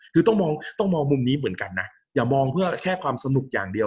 คือต้องมองต้องมองมุมนี้เหมือนกันนะอย่ามองเพื่อแค่ความสนุกอย่างเดียว